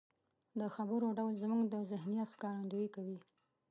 د خبرو ډول زموږ د ذهنيت ښکارندويي کوي.